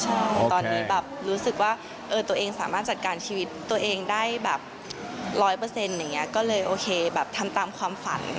ใช่ตอนนี้แบบรู้สึกว่าตัวเองสามารถจัดการชีวิตตัวเองได้แบบร้อยเปอร์เซ็นต์อย่างนี้ก็เลยโอเคแบบทำตามความฝัน